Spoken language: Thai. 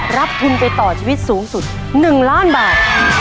รับทุนไปต่อชีวิตสูงสุด๑ล้านบาท